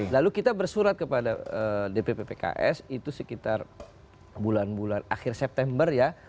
lalu kita bersurat kepada dpp pks itu sekitar bulan bulan akhir september ya